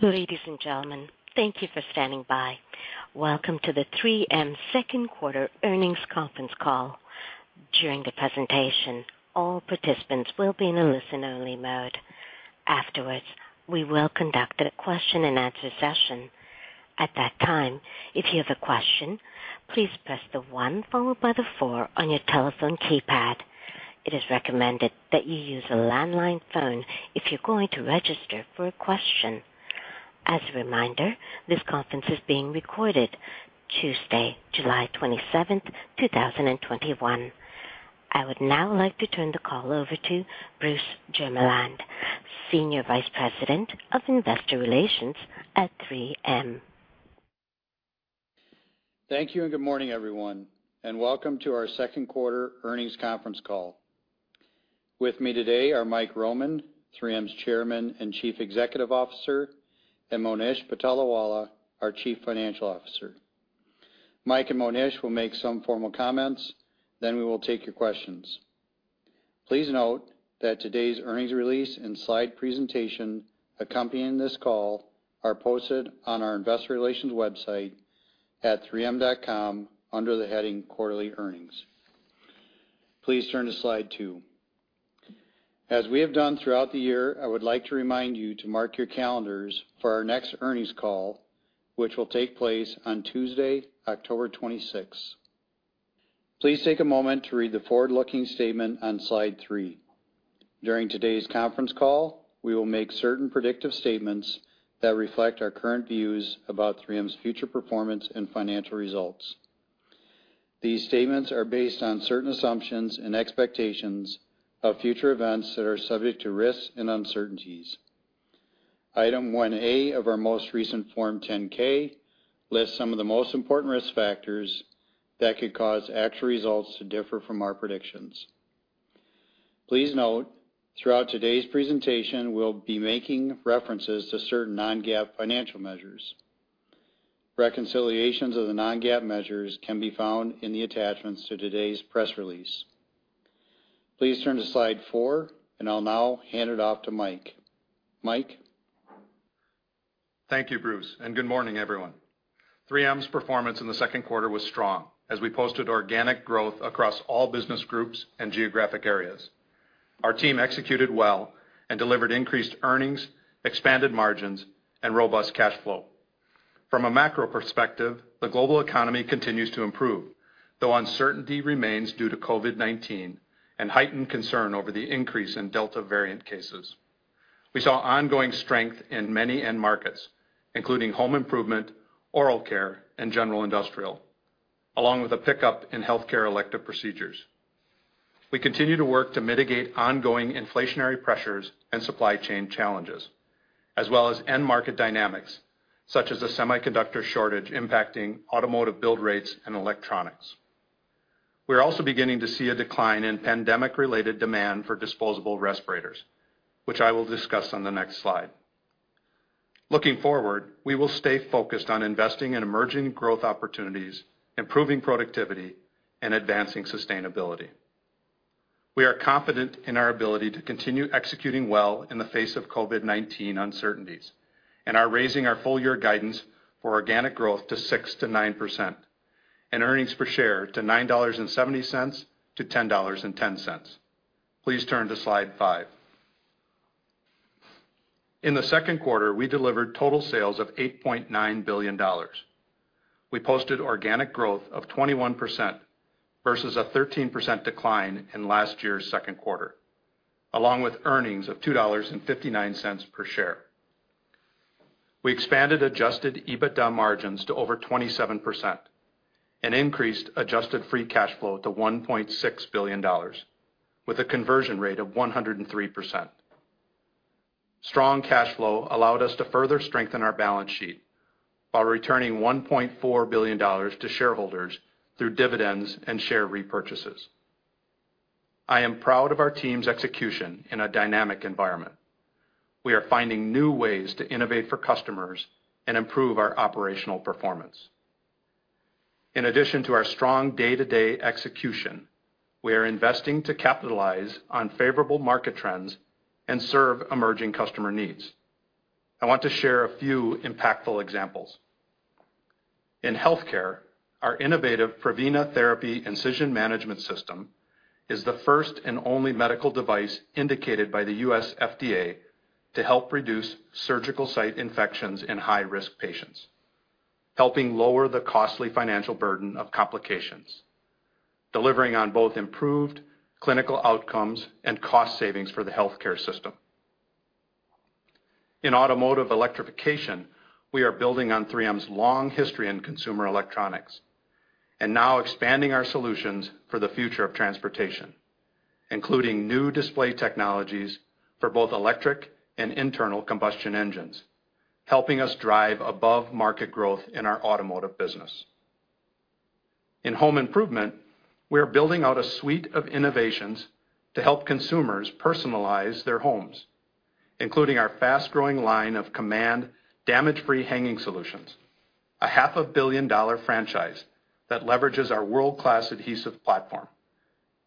Ladies and gentlemen, thank you for standing by. Welcome to the 3M Second Quarter Earnings Conference Call. During the presentation, all participants will be in a listen-only mode. Afterwards, we will conduct a question-and-answer session. At that time, if you have a question, please press the one followed by the four on your telephone keypad. It is recommended that you use a landline phone if you're going to register for a question. As a reminder, this conference is being recorded Tuesday, July 27th, 2021. I would now like to turn the call over to Bruce Jermeland, Senior Vice President of Investor Relations at 3M. Thank you and good morning, everyone, and welcome to our second quarter earnings conference call. With me today are Mike Roman, 3M's Chairman and Chief Executive Officer, and Monish Patolawala, our Chief Financial Officer. Mike and Monish will make some formal comments, then we will take your questions. Please note that today's earnings release and slide presentation accompanying this call are posted on our investor relations website at 3m.com under the heading Quarterly Earnings. Please turn to Slide two. As we have done throughout the year, I would like to remind you to mark your calendars for our next earnings call, which will take place on Tuesday, October 26. Please take a moment to read the forward-looking statement on Slide three. During today's conference call, we will make certain predictive statements that reflect our current views about 3M's future performance and financial results. These statements are based on certain assumptions and expectations of future events that are subject to risks and uncertainties. Item 1A of our most recent Form 10-K lists some of the most important risk factors that could cause actual results to differ from our predictions. Please note, throughout today's presentation, we'll be making references to certain non-GAAP financial measures. Reconciliations of the non-GAAP measures can be found in the attachments to today's press release. Please turn to Slide four, and I'll now hand it off to Mike. Mike? Thank you, Bruce, good morning, everyone. 3M's performance in the second quarter was strong as we posted organic growth across all business groups and geographic areas. Our team executed well, delivered increased earnings, expanded margins, and robust cash flow. From a macro perspective, the global economy continues to improve, though uncertainty remains due to COVID-19 and heightened concern over the increase in Delta variant cases. We saw ongoing strength in many end markets, including Home Improvement, Oral Care, and general industrial, along with a pickup in Health Care elective procedures. We continue to work to mitigate ongoing inflationary pressures and supply chain challenges, as well as end-market dynamics, such as the semiconductor shortage impacting automotive build rates and electronics. We're also beginning to see a decline in pandemic-related demand for disposable respirators, which I will discuss on the next slide. Looking forward, we will stay focused on investing in emerging growth opportunities, improving productivity, and advancing sustainability. We are confident in our ability to continue executing well in the face of COVID-19 uncertainties and are raising our full-year guidance for organic growth to 6%-9% and earnings per share to $9.70-$10.10. Please turn to Slide five. In the second quarter, we delivered total sales of $8.9 billion. We posted organic growth of 21% versus a 13% decline in last year's second quarter, along with earnings of $2.59 per share. We expanded adjusted EBITDA margins to over 27% and increased adjusted free cash flow to $1.6 billion with a conversion rate of 103%. Strong cash flow allowed us to further strengthen our balance sheet while returning $1.4 billion to shareholders through dividends and share repurchases. I am proud of our team's execution in a dynamic environment. We are finding new ways to innovate for customers and improve our operational performance. In addition to our strong day-to-day execution, we are investing to capitalize on favorable market trends and serve emerging customer needs. I want to share a few impactful examples. In healthcare, our innovative Prevena Therapy Incision Management System is the first and only medical device indicated by the U.S. FDA to help reduce surgical site infections in high-risk patients, helping lower the costly financial burden of complications, delivering on both improved clinical outcomes and cost savings for the healthcare system. In automotive electrification, we are building on 3M's long history in consumer electronics and now expanding our solutions for the future of transportation, including new display technologies for both electric and internal combustion engines, helping us drive above-market growth in our automotive business. In Home Improvement, we are building out a suite of innovations to help consumers personalize their homes, including our fast-growing line of Command damage-free hanging solutions, a half-a-billion-dollar franchise that leverages our world-class adhesive platform.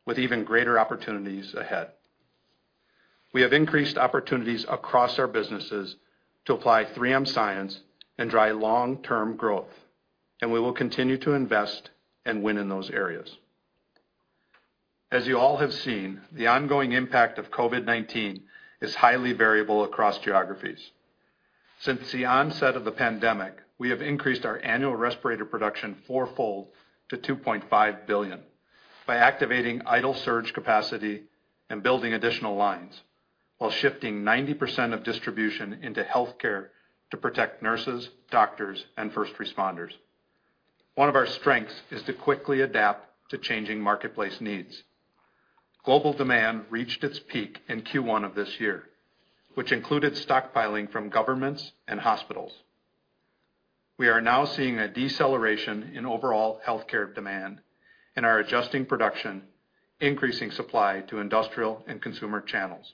With even greater opportunities ahead, we have increased opportunities across our businesses to apply 3M science and drive long-term growth, and we will continue to invest and win in those areas. As you all have seen, the ongoing impact of COVID-19 is highly variable across geographies. Since the onset of the pandemic, we have increased our annual respirator production fourfold to 2.5 billion by activating idle surge capacity and building additional lines, while shifting 90% of distribution into Health Care to protect nurses, doctors, and first responders. One of our strengths is to quickly adapt to changing marketplace needs. Global demand reached its peak in Q1 of this year, which included stockpiling from governments and hospitals. We are now seeing a deceleration in overall healthcare demand and are adjusting production, increasing supply to industrial and consumer channels,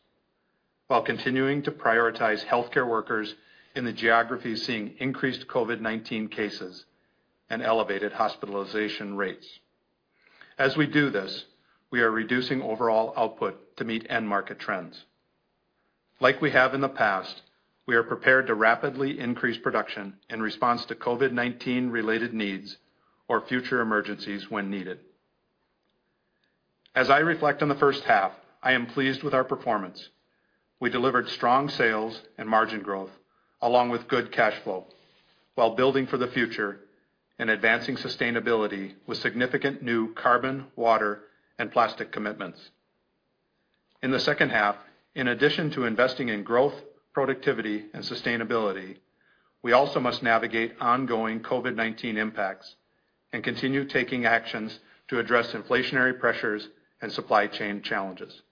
while continuing to prioritize healthcare workers in the geographies seeing increased COVID-19 cases and elevated hospitalization rates. As we do this, we are reducing overall output to meet end market trends. Like we have in the past, we are prepared to rapidly increase production in response to COVID-19 related needs or future emergencies when needed. As I reflect on the first half, I am pleased with our performance. We delivered strong sales and margin growth along with good cash flow while building for the future and advancing sustainability with significant new carbon, water, and plastic commitments. In the second half, in addition to investing in growth, productivity, and sustainability, we also must navigate ongoing COVID-19 impacts and continue taking actions to address inflationary pressures and supply chain challenges.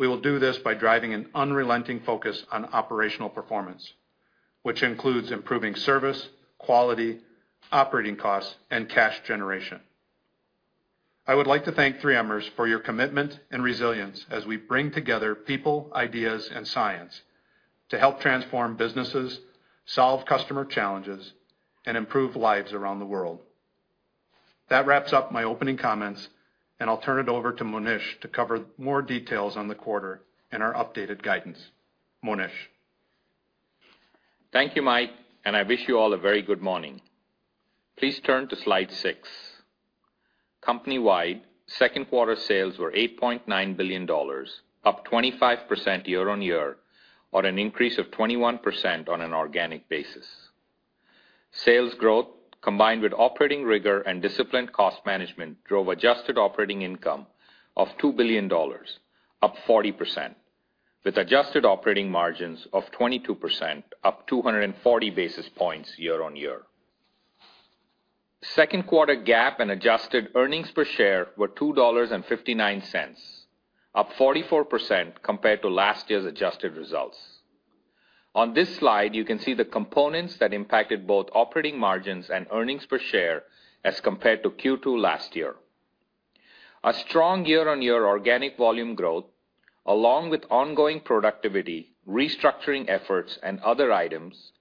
We will do this by driving an unrelenting focus on operational performance, which includes improving service, quality, operating costs, and cash generation. I would like to thank 3Mers for your commitment and resilience as we bring together people, ideas, and science to help transform businesses, solve customer challenges, and improve lives around the world. That wraps up my opening comments, and I'll turn it over to Monish to cover more details on the quarter and our updated guidance. Monish. Thank you, Mike, and I wish you all a very good morning. Please turn to Slide six. Company-wide, second quarter sales were $8.9 billion, up 25% year-on-year or an increase of 21% on an organic basis. Sales growth, combined with operating rigor and disciplined cost management, drove adjusted operating income of $2 billion, up 40%, with adjusted operating margins of 22% up 240 basis points year-on-year. Second quarter GAAP and adjusted earnings per share were $2.59, up 44% compared to last year's adjusted results. On this slide, you can see the components that impacted both operating margins and earnings per share as compared to Q2 last year. A strong year-on-year organic volume growth, along with ongoing productivity, restructuring efforts, and other items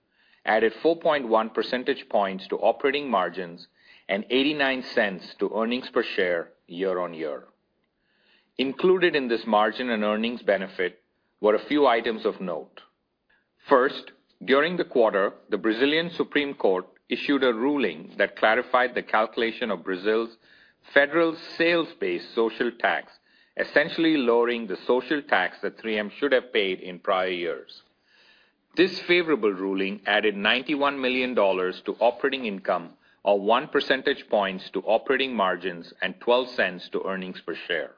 added 4.1 percentage points to operating margins and $0.89 to earnings per share year-on-year. Included in this margin and earnings benefit were a few items of note. First, during the quarter, the Supreme Court issued a ruling that clarified the calculation of Brazil's federal sales base social tax, essentially lowering the social tax that 3M should have paid in prior years. This favorable ruling added $91 million to operating income, or 1 percentage point to operating margins and $0.12 to earnings per share.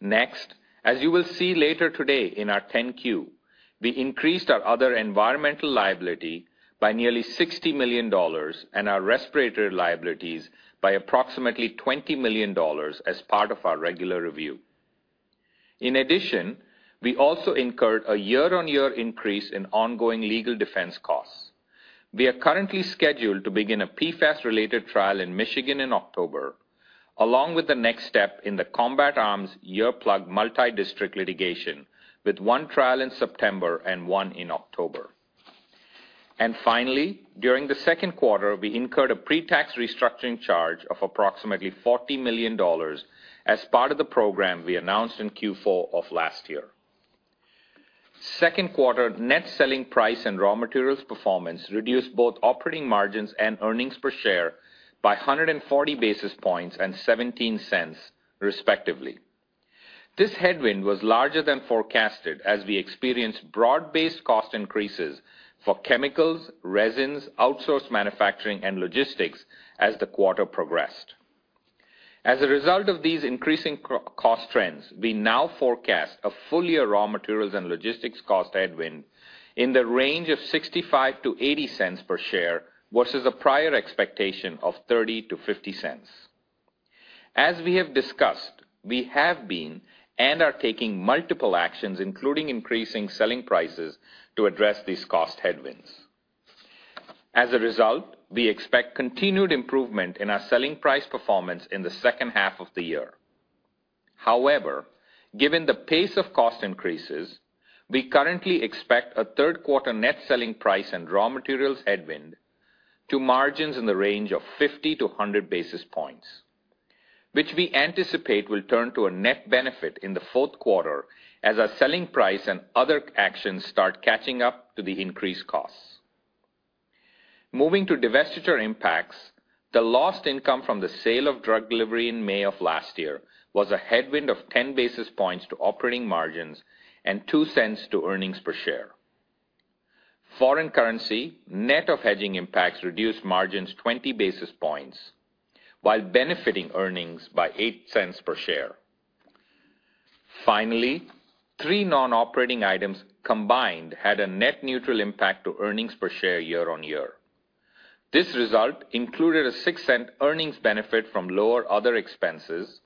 Next, as you will see later today in our 10-Q, we increased our other environmental liability by nearly $60 million and our respirator liabilities by approximately $20 million as part of our regular review. In addition, we also incurred a year-on-year increase in ongoing legal defense costs. We are currently scheduled to begin a PFAS related trial in Michigan in October, along with the next step in the Combat Arms earplug multi-district litigation, with one trial in September and one in October. Finally, during the second quarter, we incurred a pre-tax restructuring charge of approximately $40 million as part of the program we announced in Q4 of last year. Second quarter net selling price and raw materials performance reduced both operating margins and earnings per share by 140 basis points and $0.17, respectively. This headwind was larger than forecasted as we experienced broad-based cost increases for chemicals, resins, outsourced manufacturing, and logistics as the quarter progressed. As a result of these increasing cost trends, we now forecast a full-year raw materials and logistics cost headwind in the range of $0.65-$0.80 per share versus a prior expectation of $0.30-$0.50. As we have discussed, we have been and are taking multiple actions, including increasing selling prices to address these cost headwinds. As a result, we expect continued improvement in our selling price performance in the second half of the year. However, given the pace of cost increases, we currently expect a third quarter net selling price and raw materials headwind to margins in the range of 50-100 basis points, which we anticipate will turn to a net benefit in the fourth quarter as our selling price and other actions start catching up to the increased costs. Moving to divestiture impacts, the lost income from the sale of Drug Delivery in May of last year was a headwind of 10 basis points to operating margins and $0.02 to earnings per share. Foreign currency, net of hedging impacts, reduced margins 20 basis points, while benefiting earnings by $0.08 per share. Finally, three non-operating items combined had a net neutral impact to earnings per share year-on-year. This result included a $0.06 earnings benefit from lower other expenses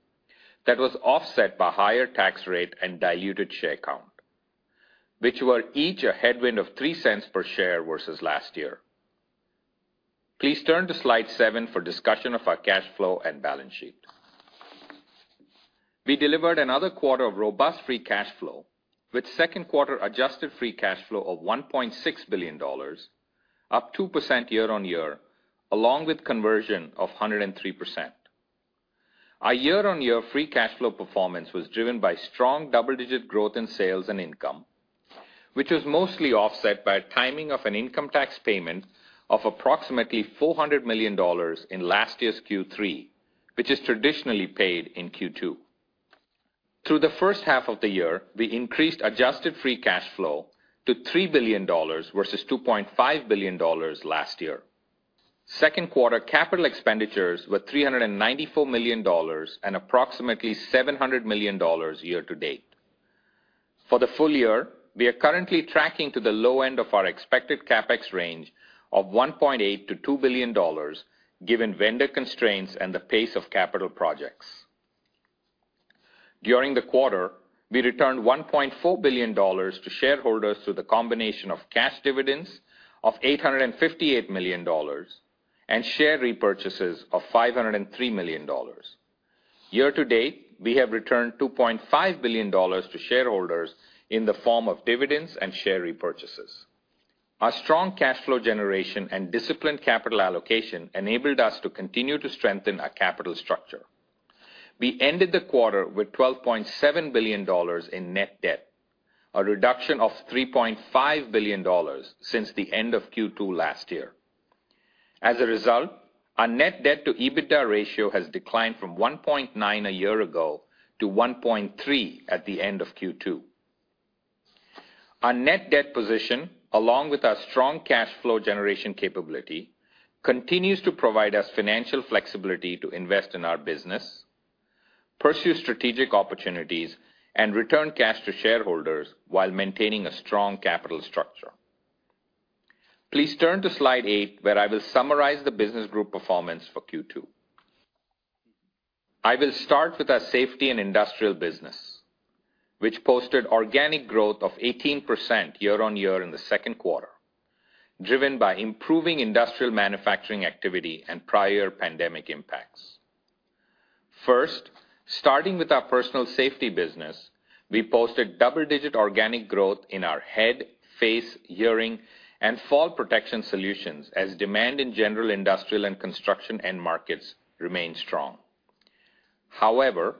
that was offset by higher tax rate and diluted share count, which were each a headwind of $0.03 per share versus last year. Please turn to Slide seven for discussion of our cash flow and balance sheet. We delivered another quarter of robust free cash flow with second quarter adjusted free cash flow of $1.6 billion, up 2% year-on-year, along with conversion of 103%. Our year-on-year free cash flow performance was driven by strong double-digit growth in sales and income, which was mostly offset by timing of an income tax payment of approximately $400 million in last year's Q3, which is traditionally paid in Q2. Through the first half of the year, we increased adjusted free cash flow to $3 billion versus $2.5 billion last year. Second quarter capital expenditures were $394 million and approximately $700 million year-to-date. For the full year, we are currently tracking to the low end of our expected CapEx range of $1.8 billion-$2 billion given vendor constraints and the pace of capital projects. During the quarter, we returned $1.4 billion to shareholders through the combination of cash dividends of $858 million and share repurchases of $503 million. Year-to-date, we have returned $2.5 billion to shareholders in the form of dividends and share repurchases. Our strong cash flow generation and disciplined capital allocation enabled us to continue to strengthen our capital structure. We ended the quarter with $12.7 billion in net debt, a reduction of $3.5 billion since the end of Q2 last year. As a result, our net debt to EBITDA ratio has declined from 1.9 a year ago to 1.3 at the end of Q2. Our net debt position, along with our strong cash flow generation capability, continues to provide us financial flexibility to invest in our business, pursue strategic opportunities, and return cash to shareholders while maintaining a strong capital structure. Please turn to Slide eight, where I will summarize the business group performance for Q2. I will start with our Safety and Industrial business, which posted organic growth of 18% year-on-year in the second quarter, driven by improving industrial manufacturing activity and prior pandemic impacts. First, starting with our personal safety business, we posted double-digit organic growth in our head, face, hearing, and fall protection solutions as demand in general industrial and construction end markets remained strong. However,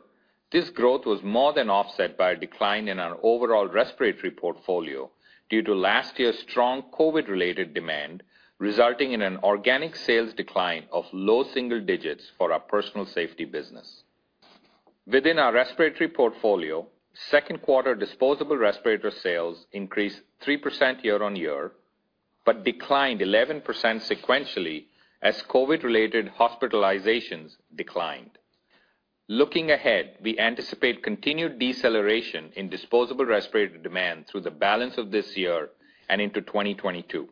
this growth was more than offset by a decline in our overall respiratory portfolio due to last year's strong COVID-19-related demand, resulting in an organic sales decline of low single digits for our personal safety business. Within our respiratory portfolio, second quarter disposable respirator sales increased 3% year-on-year, but declined 11% sequentially as COVID-19-related hospitalizations declined. Looking ahead, we anticipate continued deceleration in disposable respirator demand through the balance of this year and into 2022.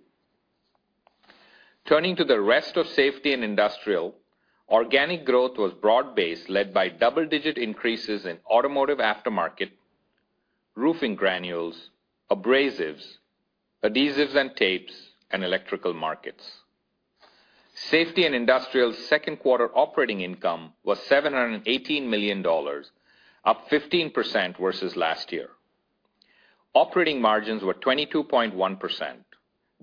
Turning to the rest of Safety and Industrial, organic growth was broad-based, led by double-digit increases in automotive aftermarket, roofing granules, abrasives, adhesives and tapes, and electrical markets. Safety and Industrial's second quarter operating income was $718 million, up 15% versus last year. Operating margins were 22.1%,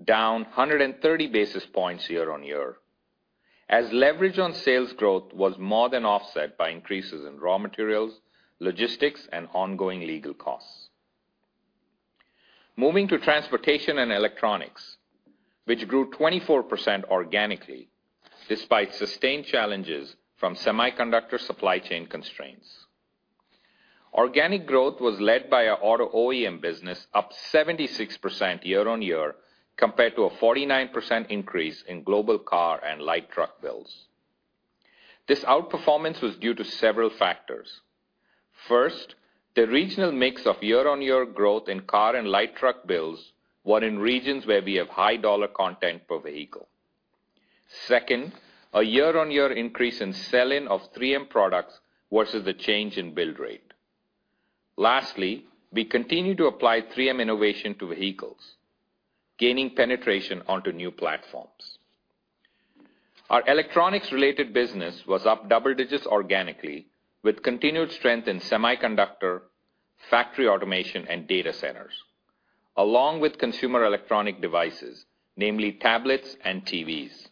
down 130 basis points year-on-year, as leverage on sales growth was more than offset by increases in raw materials, logistics, and ongoing legal costs. Moving to Transportation and Electronics, which grew 24% organically despite sustained challenges from semiconductor supply chain constraints. Organic growth was led by our auto OEM business, up 76% year-on-year compared to a 49% increase in global car and light truck builds. This outperformance was due to several factors. First, the regional mix of year-on-year growth in car and light truck builds were in regions where we have high dollar content per vehicle. Second, a year-on-year increase in sell-in of 3M products versus the change in build rate. Lastly, we continue to apply 3M innovation to vehicles, gaining penetration onto new platforms. Our electronics-related business was up double digits organically with continued strength in semiconductor factory automation and data centers, along with consumer electronic devices, namely tablets and TVs.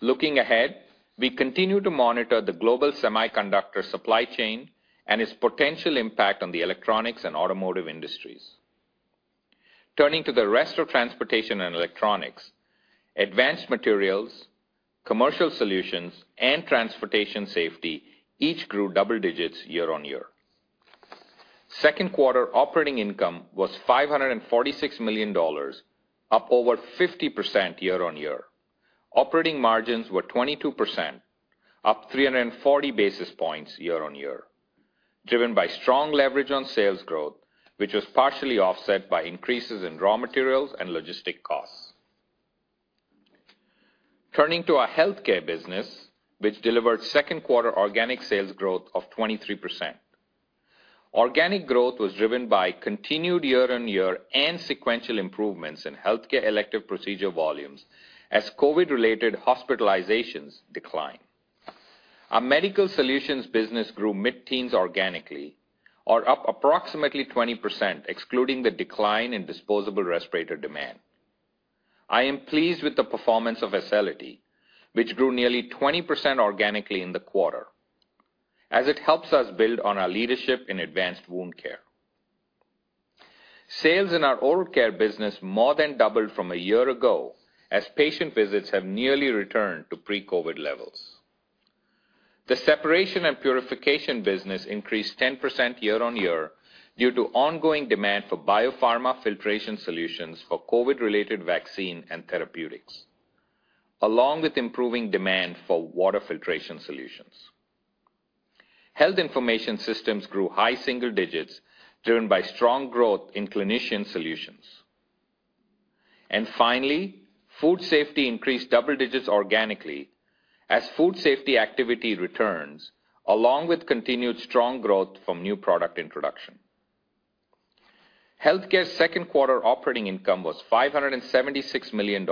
Looking ahead, we continue to monitor the global semiconductor supply chain and its potential impact on the electronics and automotive industries. Turning to the rest of Transportation and Electronics, Advanced Materials, Commercial Solutions, and Transportation Safety each grew double digits year-on-year. Second quarter operating income was $546 million, up over 50% year-on-year. Operating margins were 22%, up 340 basis points year-on-year, driven by strong leverage on sales growth, which was partially offset by increases in raw materials and logistics costs. Turning to our Health Care business, which delivered second quarter organic sales growth of 23%. Organic growth was driven by continued year-on-year and sequential improvements in healthcare elective procedure volumes as COVID-related hospitalizations decline. Our Medical Solutions business grew mid-teens organically, or up approximately 20%, excluding the decline in disposable respirator demand. I am pleased with the performance of Acelity, which grew nearly 20% organically in the quarter, as it helps us build on our leadership in advanced wound care. Sales in our Oral Care business more than doubled from a year ago, as patient visits have nearly returned to pre-COVID-19 levels. The Separation and Purification business increased 10% year-on-year due to ongoing demand for biopharma filtration solutions for COVID-19-related vaccine and therapeutics, along with improving demand for water filtration solutions. Health Information Systems grew high single digits, driven by strong growth in clinician solutions. Food Safety increased double digits organically as food safety activity returns, along with continued strong growth from new product introduction. Health Care second quarter operating income was $576 million,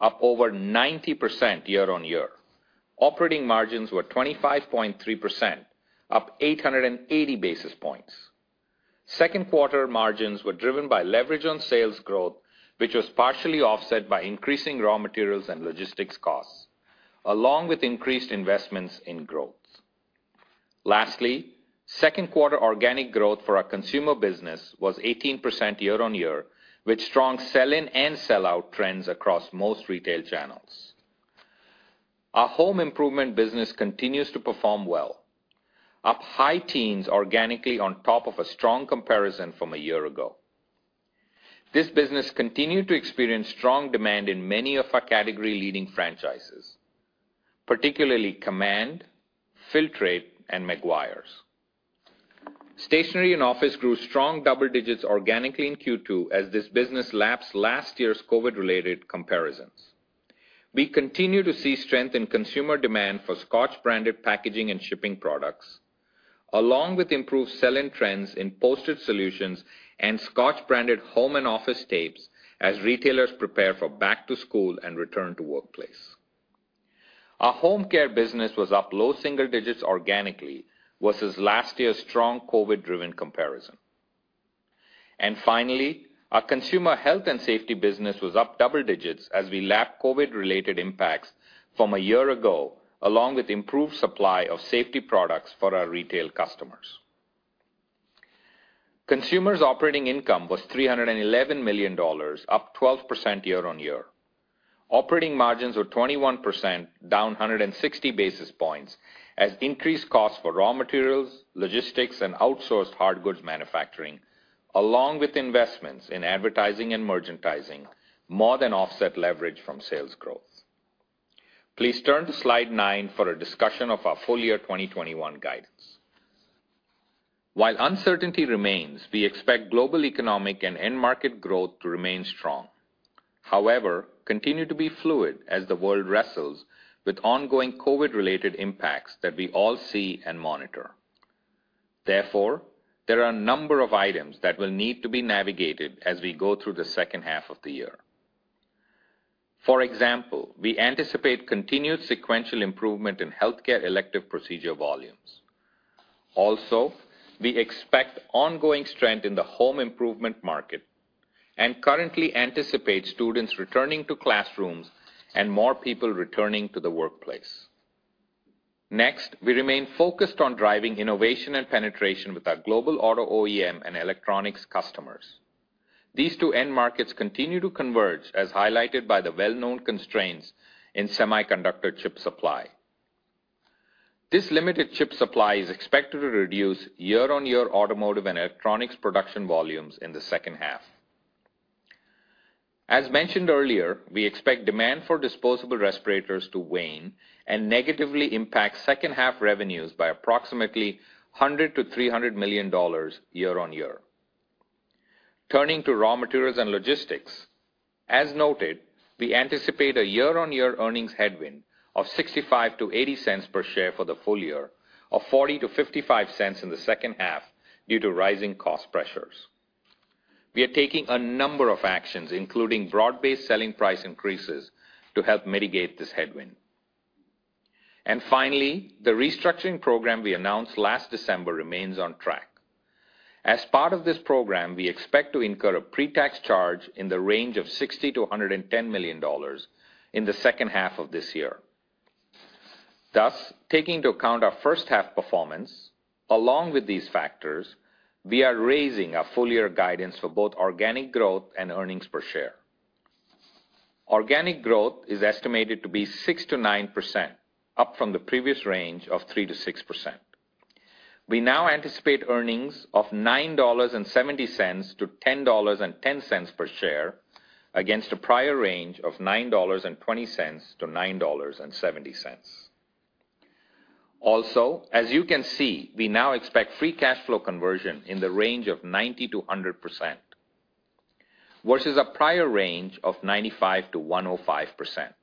up over 90% year-on-year. Operating margins were 25.3%, up 880 basis points. Second quarter margins were driven by leverage on sales growth, which was partially offset by increasing raw materials and logistics costs, along with increased investments in growth. Lastly, second quarter organic growth for our Consumer business was 18% year-on-year, with strong sell-in and sell-out trends across most retail channels. Our Home Improvement business continues to perform well, up high teens organically on top of a strong comparison from a year ago. This business continued to experience strong demand in many of our category-leading franchises, particularly Command, Filtrete, and Meguiar's. Stationery and Office grew strong double digits organically in Q2 as this business lapsed last year's COVID-related comparisons. We continue to see strength in consumer demand for Scotch-branded packaging and shipping products, along with improved sell-in trends in postage solutions and Scotch-branded home and office tapes as retailers prepare for back to school and return to workplace. Our Home Care business was up low single digits organically versus last year's strong COVID-driven comparison. Finally, our Consumer Health Care business was up double digits as we lap COVID-related impacts from a year ago, along with improved supply of safety products for our retail customers. Consumer's operating income was $311 million, up 12% year-on-year. Operating margins were 21%, down 160 basis points as increased costs for raw materials, logistics, and outsourced hard goods manufacturing, along with investments in advertising and merchandising, more than offset leverage from sales growth. Please turn to slide nine for a discussion of our full year 2021 guidance. While uncertainty remains, we expect global economic and end market growth to remain strong. However, continue to be fluid as the world wrestles with ongoing COVID-related impacts that we all see and monitor. Therefore, there are a number of items that will need to be navigated as we go through the second half of the year. For example, we anticipate continued sequential improvement in healthcare elective procedure volumes. Also, we expect ongoing strength in the Home Improvement market and currently anticipate students returning to classrooms and more people returning to the workplace. Next, we remain focused on driving innovation and penetration with our global auto OEM and electronics customers. These two end markets continue to converge as highlighted by the well-known constraints in semiconductor chip supply. This limited chip supply is expected to reduce year-on-year automotive and electronics production volumes in the second half. As mentioned earlier, we expect demand for disposable respirators to wane and negatively impact second half revenues by approximately $100 million-$300 million year-on-year. Turning to raw materials and logistics, as noted, we anticipate a year-on-year earnings headwind of $0.65-$0.80 per share for the full year, of $0.40-$0.55 in the second half due to rising cost pressures. We are taking a number of actions, including broad-based selling price increases, to help mitigate this headwind. Finally, the restructuring program we announced last December remains on track. As part of this program, we expect to incur a pre-tax charge in the range of $60 million-$110 million in the second half of this year. Taking into account our first half performance, along with these factors, we are raising our full year guidance for both organic growth and earnings per share. Organic growth is estimated to be 6%-9%, up from the previous range of 3%-6%. We now anticipate earnings of $9.70-$10.10 per share against a prior range of $9.20-$9.70. As you can see, we now expect free cash flow conversion in the range of 90%-100%, versus a prior range of 95%-105%.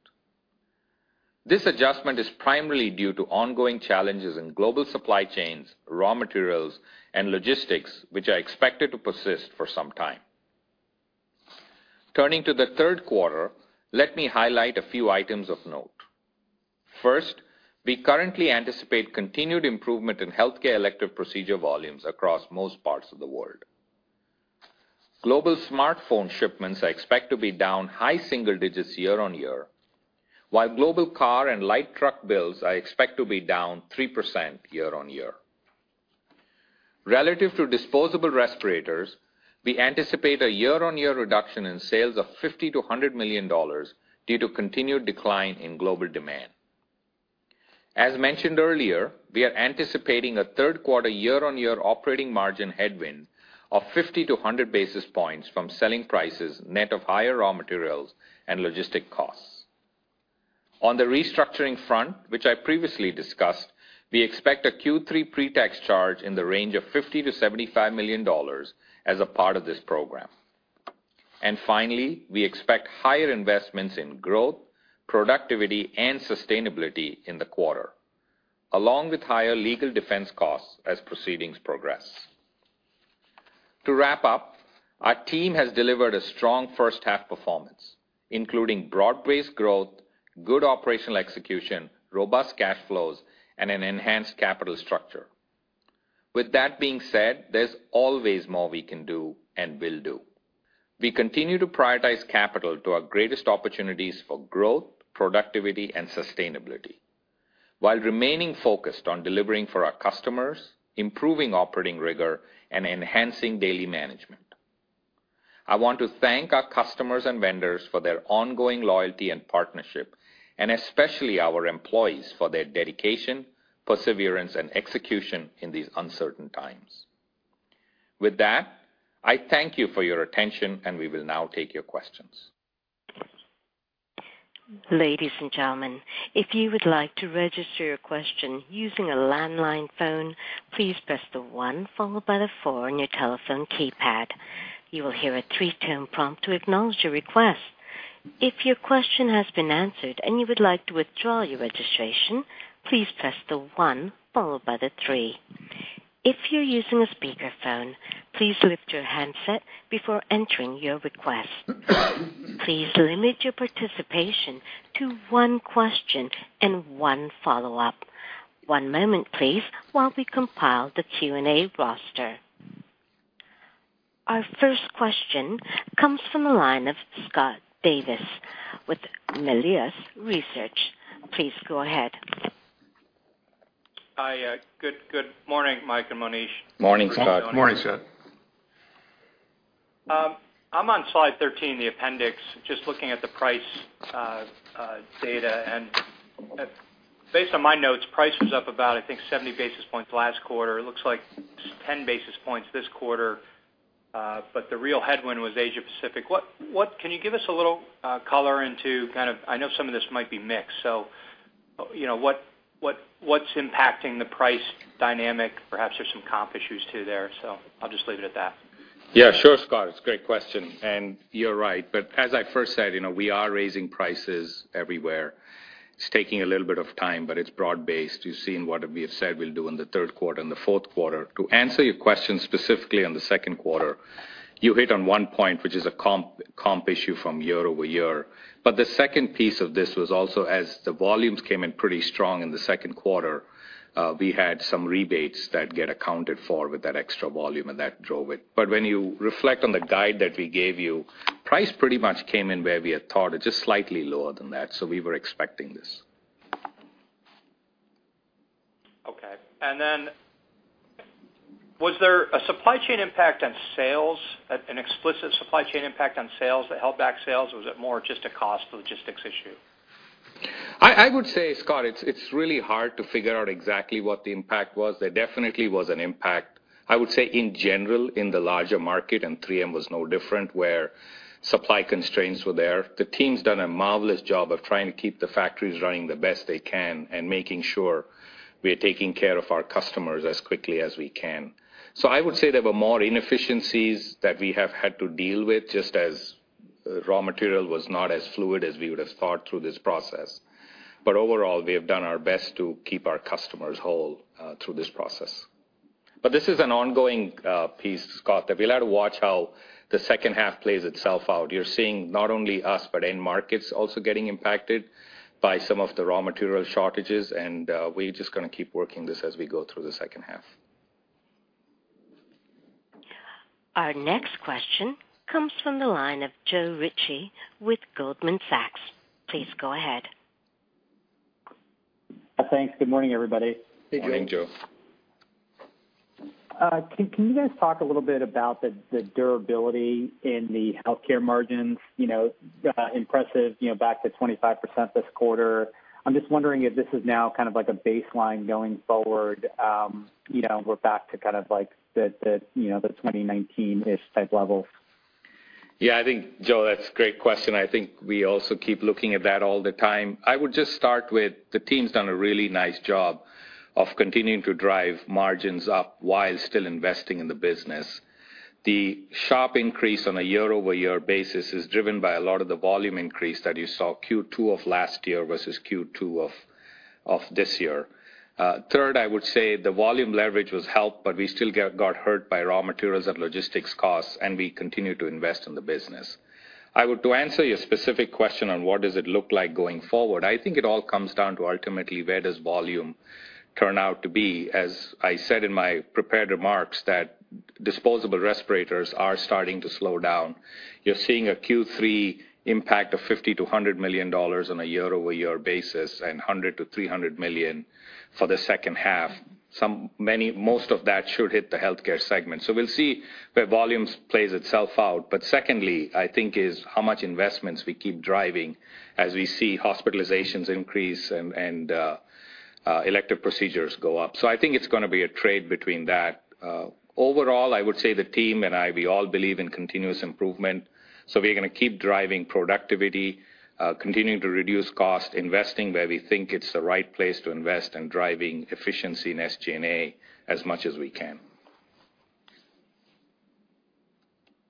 This adjustment is primarily due to ongoing challenges in global supply chains, raw materials, and logistics, which are expected to persist for some time. Turning to the third quarter, let me highlight a few items of note. First, we currently anticipate continued improvement in healthcare elective procedure volumes across most parts of the world. Global smartphone shipments are expected to be down high single digits year-on-year, while global car and light truck builds are expected to be down 3% year-on-year. Relative to disposable respirators, we anticipate a year-on-year reduction in sales of $50 million-$100 million due to continued decline in global demand. As mentioned earlier, we are anticipating a third quarter year-on-year operating margin headwind of 50-100 basis points from selling prices, net of higher raw materials and logistic costs. On the restructuring front, which I previously discussed, we expect a Q3 pre-tax charge in the range of $50 million-$75 million as a part of this program. Finally, we expect higher investments in growth, productivity, and sustainability in the quarter, along with higher legal defense costs as proceedings progress. To wrap up, our team has delivered a strong 1st half performance, including broad-based growth, good operational execution, robust cash flows, and an enhanced capital structure. With that being said, there's always more we can do and will do. We continue to prioritize capital to our greatest opportunities for growth, productivity, and sustainability while remaining focused on delivering for our customers, improving operating rigor, and enhancing daily management. I want to thank our customers and vendors for their ongoing loyalty and partnership, and especially our employees for their dedication, perseverance, and execution in these uncertain times. With that, I thank you for your attention, and we will now take your questions. Our first question comes from the line of Scott Davis with Melius Research. Please go ahead. Hi, good morning, Mike and Monish. Morning, Scott. Morning, Scott. I'm on slide 13, the appendix, just looking at the price data. Based on my notes, price was up about, I think, 70 basis points last quarter. It looks like 10 basis points this quarter. The real headwind was Asia Pacific. Can you give us a little color into kind of, I know some of this might be mixed, what's impacting the price dynamic? Perhaps there's some comp issues, too, there. I'll just leave it at that. Sure, Scott. It's a great question, and you're right. As I first said, we are raising prices everywhere. It's taking a little bit of time, but it's broad based. You've seen what we have said we'll do in the third quarter and the fourth quarter. To answer your question specifically on the second quarter, you hit on one point, which is a comp issue from year-over-year. The second piece of this was also as the volumes came in pretty strong in the second quarter, we had some rebates that get accounted for with that extra volume, and that drove it. When you reflect on the guide that we gave you, price pretty much came in where we had thought. It's just slightly lower than that. We were expecting this. Okay. Then was there a supply chain impact on sales, an explicit supply chain impact on sales that held back sales, or was it more just a cost logistics issue? I would say, Scott, it's really hard to figure out exactly what the impact was. There definitely was an impact. I would say in general, in the larger market, and 3M was no different, where supply constraints were there. The team's done a marvelous job of trying to keep the factories running the best they can and making sure we are taking care of our customers as quickly as we can. I would say there were more inefficiencies that we have had to deal with, just as raw material was not as fluid as we would have thought through this process. Overall, we have done our best to keep our customers whole through this process. This is an ongoing piece, Scott, that we'll have to watch how the second half plays itself out. You're seeing not only us, but end markets also getting impacted by some of the raw material shortages, and we're just going to keep working this as we go through the second half. Our next question comes from the line of Joe Ritchie with Goldman Sachs. Please go ahead. Thanks. Good morning, everybody. Hey, Joe. Good morning, Joe. Can you guys talk a little bit about the durability in the Health Care margins? Impressive, back to 25% this quarter. I'm just wondering if this is now kind of like a baseline going forward. We're back to kind of like the 2019-ish type levels. Yeah, I think, Joe, that's a great question. I think we also keep looking at that all the time. I would just start with the team's done a really nice job of continuing to drive margins up while still investing in the business. The sharp increase on a year-over-year basis is driven by a lot of the volume increase that you saw Q2 of last year versus Q2 of this year. Third, I would say the volume leverage was helped, but we still got hurt by raw materials and logistics costs, and we continue to invest in the business. To answer your specific question on what does it look like going forward, I think it all comes down to ultimately where does volume turn out to be. As I said in my prepared remarks, that disposable respirators are starting to slow down. You're seeing a Q3 impact of $50 million-$100 million on a year-over-year basis and $100 million-$300 million for the second half. Most of that should hit the Health Care segment. We'll see where volumes plays itself out. Secondly, I think, is how much investments we keep driving as we see hospitalizations increase and elective procedures go up. I think it's going to be a trade between that. Overall, I would say the team and I, we all believe in continuous improvement, we are going to keep driving productivity, continuing to reduce cost, investing where we think it's the right place to invest, and driving efficiency in SG&A as much as we can.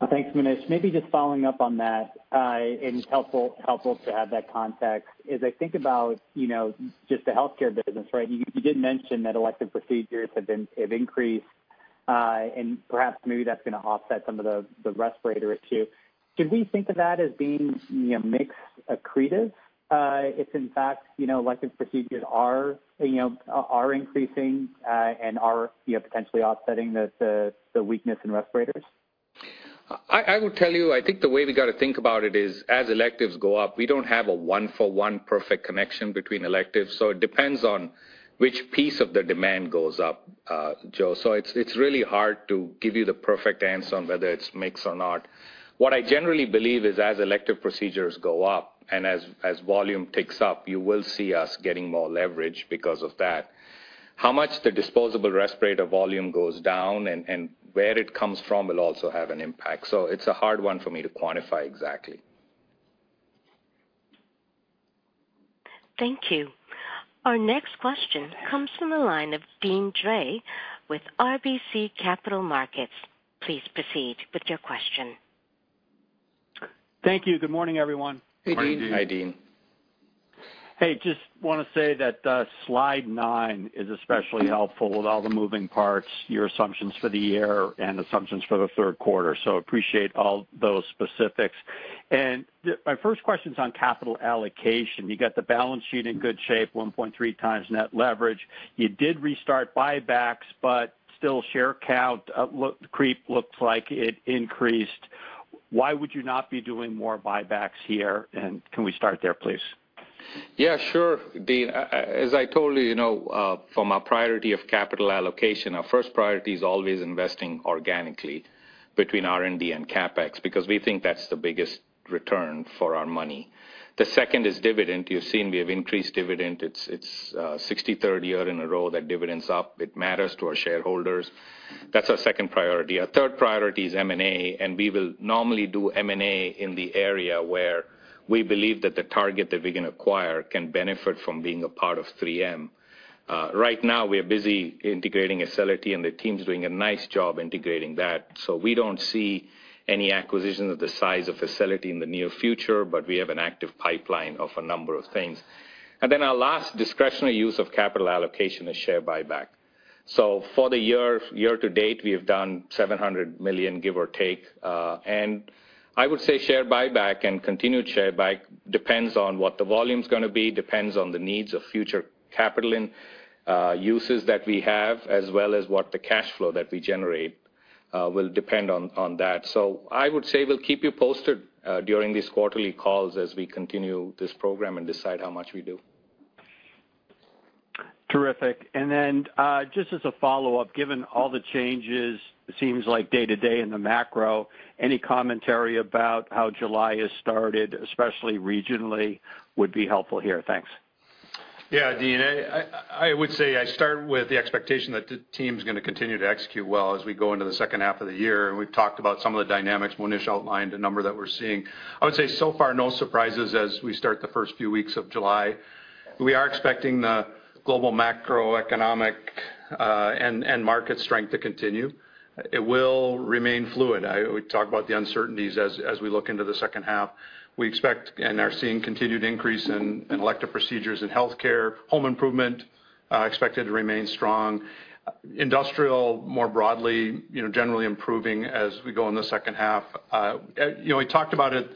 Thanks, Monish. Maybe just following up on that, and it's helpful to have that context is I think about just the Health Care business, right? You did mention that elective procedures have increased, and perhaps maybe that's going to offset some of the respirator issue. Should we think of that as being mix accretive, if in fact, elective procedures are increasing, and are potentially offsetting the weakness in respirators? I would tell you, I think the way we got to think about it is as electives go up, we don't have a one for one perfect connection between electives, so it depends on which piece of the demand goes up, Joe. It's really hard to give you the perfect answer on whether it's mix or not. What I generally believe is as elective procedures go up and as volume ticks up, you will see us getting more leverage because of that. How much the disposable respirator volume goes down and where it comes from will also have an impact. It's a hard one for me to quantify exactly. Thank you. Our next question comes from the line of Deane Dray with RBC Capital Markets. Please proceed with your question. Thank you. Good morning, everyone. Hey, Deane. Morning, Deane. Hey, just want to say that slide nine is especially helpful with all the moving parts, your assumptions for the year, and assumptions for the third quarter. Appreciate all those specifics. My first question's on capital allocation. You got the balance sheet in good shape, 1.3x net leverage. You did restart buybacks, but still share count creep looked like it increased. Why would you not be doing more buybacks here? Can we start there, please? Yeah, sure, Deane. As I told you from our priority of capital allocation, our first priority is always investing organically between R&D and CapEx, because we think that's the biggest return for our money. The second is dividend. You've seen we have increased dividend. It's 63rd year in a row that dividend's up. It matters to our shareholders. That's our second priority. Our third priority is M&A, and we will normally do M&A in the area where we believe that the target that we can acquire can benefit from being a part of 3M. Right now, we are busy integrating Acelity, and the team's doing a nice job integrating that. We don't see any acquisitions of the size of Acelity in the near future, but we have an active pipeline of a number of things. Our last discretionary use of capital allocation is share buyback. For the year to date, we have done $700 million, give or take. I would say share buyback and continued share buyback depends on what the volume's going to be, depends on the needs of future capital uses that we have, as well as what the cash flow that we generate will depend on that. I would say we'll keep you posted during these quarterly calls as we continue this program and decide how much we do. Terrific. Just as a follow-up, given all the changes, it seems like day to day in the macro, any commentary about how July has started, especially regionally, would be helpful here. Thanks. Yeah, Deane, I would say I start with the expectation that the team's going to continue to execute well as we go into the second half of the year. We've talked about some of the dynamics. Monish outlined a number that we're seeing. I would say so far, no surprises as we start the first few weeks of July. We are expecting the global macroeconomic and market strength to continue. It will remain fluid. We talk about the uncertainties as we look into the second half. We expect and are seeing continued increase in elective procedures in Health Care. Home Improvement expected to remain strong. Industrial more broadly, generally improving as we go in the second half. We talked about it